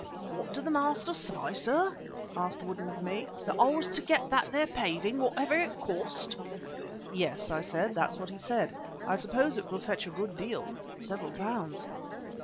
"What did the master say, sir?" asked Woodden of me. "That I was to get that there 'Paving' whatever it cost?" "Yes," I said, "that's what he said. I suppose it will fetch a good deal several pounds."